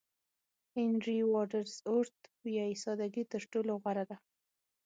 هېنري واډز اورت وایي ساده ګي تر ټولو غوره ده.